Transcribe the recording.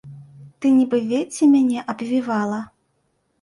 Ты, нібы вецце, мяне абвівала.